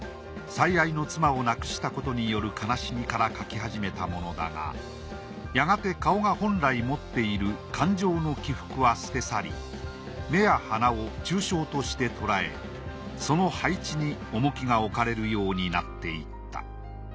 最愛の妻を亡くしたことによる悲しみから描き始めたものだがやがて顔が本来持っている感情の起伏は捨て去り目や鼻を抽象としてとらえその配置に重きが置かれるようになっていった。